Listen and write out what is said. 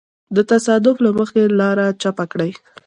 د تصادف له مخې لاره چپ کړي.